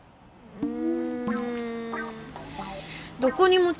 うん。